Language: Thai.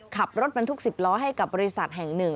ขับรถบรรทุก๑๐ล้อให้กับบริษัทแห่งหนึ่ง